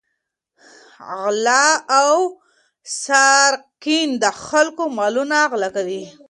غله او سارقین د خلکو مالونه غلا کوي.